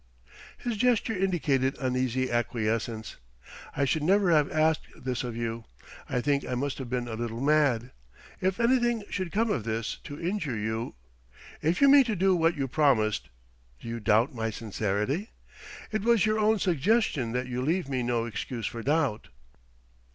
His gesture indicated uneasy acquiescence. "I should never have asked this of you. I think I must have been a little mad. If anything should come of this to injure you...!" "If you mean to do what you promised " "Do you doubt my sincerity?" "It was your own suggestion that you leave me no excuse for doubt..."